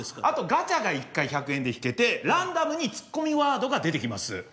あとガチャが１回１００円で引けてランダムにツッコミワードが出てきます。